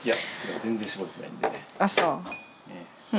あっそう。